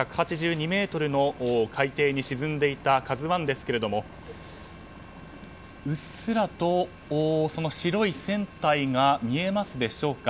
１８２ｍの海底に沈んでいた「ＫＡＺＵ１」ですがうっすらと白い船体が見えますでしょうか。